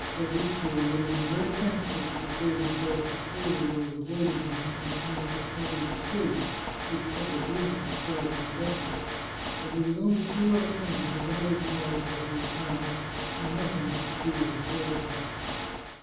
Fabrizio would have been very thankful to persuade himself that Clelia was avoiding him on account of her father's disgrace, which public rumour ascribed to the duchess. But he was only too well acquainted with another cause for her retirement, and nothing could cheer his sadness.